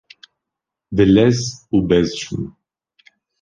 bi lez û bez çûm